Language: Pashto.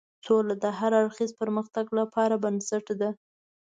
سوله د هر اړخیز پرمختګ لپاره بنسټ ده.